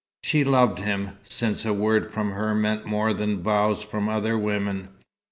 She loved him, since a word from her meant more than vows from other women.